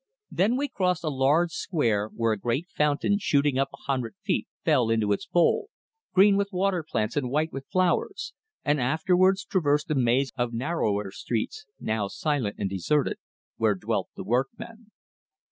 Then we crossed a large square where a great fountain shooting up a hundred feet fell into its bowl, green with water plants and white with flowers, and afterwards traversed a maze of narrower streets, now silent and deserted, where dwelt the workmen.